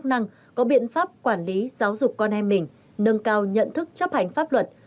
công an có chức năng có biện pháp quản lý giáo dục con em mình nâng cao nhận thức chấp hành pháp luật